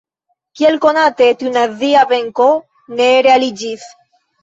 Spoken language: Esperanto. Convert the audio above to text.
Kiel konate, tiu nazia venko ne realiĝis.